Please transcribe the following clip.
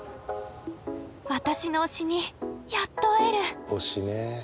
私の推しにやっと会える！